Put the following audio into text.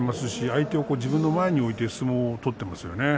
相手を自分の前に置いて相撲を取っています。